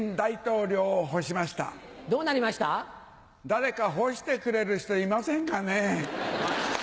誰か干してくれる人いませんかねぇ？